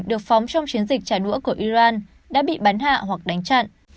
được phóng trong chiến dịch trả đũa của iran đã bị bắn hạ hoặc đánh chặn